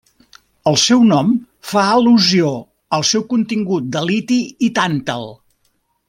El seu nom fa al·lusió al seu contingut de liti i tàntal.